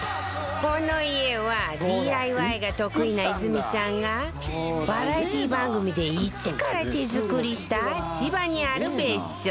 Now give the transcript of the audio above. この家は ＤＩＹ が得意な泉さんがバラエティー番組で一から手作りした千葉にある別荘